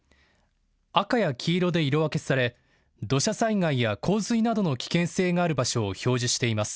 赤や黄色で色分けされ土砂災害や洪水などの危険性がある場所を表示しています。